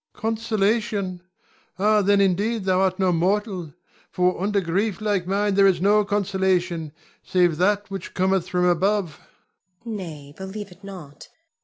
Consolation! ah, then indeed thou art no mortal; for unto grief like mine there is no consolation, save that which cometh from above. Zuleika. Nay, believe it not.